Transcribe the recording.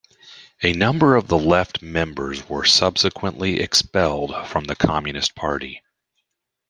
A number of the Left members were subsequently expelled from the Communist Party.